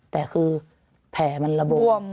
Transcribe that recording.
แต่คือแผลมันระบบ